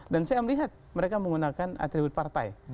dan saya melihat mereka menggunakan atribut partai